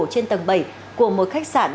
trên tầng bảy của một khách sạn